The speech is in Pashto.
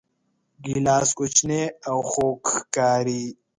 ګیلاس کوچنی او خوږ ښکاري.